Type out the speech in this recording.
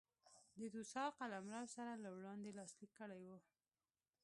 د توسا قلمرو سره له وړاندې لاسلیک کړی و.